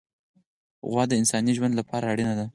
غوا د انساني ژوند لپاره اړینه ده.